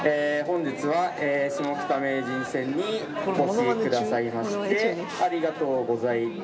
本日はえシモキタ名人戦にお越しくださいましてありがとうございます。